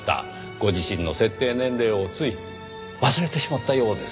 ご自身の設定年齢をつい忘れてしまったようですねぇ。